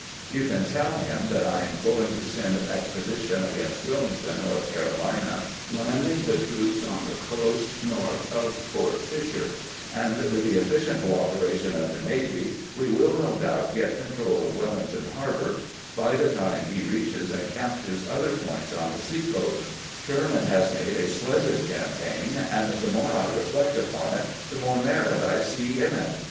You can tell him that I am going to send an expedition against Wilmington, North Caro lina, landing the troops on the coast north of Fort Fisher ; and with the efficient cooperation of the navy we shall no doubt get control of Wilmington harbor by the time he reaches and captures other points on the sea coast, Sherman has made a splendid campaign, and the more I reflect upon it the more merit I see in it.